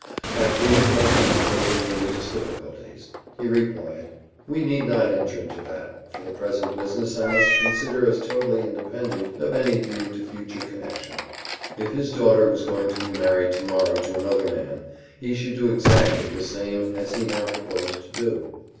I pleaded my principles and religious difficulties: he replied, 'We need not enter into that, for the present business I must consider as totally independent of any view to future connexion:' if his daughter was going to be married to morrow to another man, he should do exactly the same as he now proposed to do.